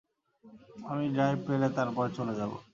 আমি ড্রাইভ পেলে তারপর চলে যাব!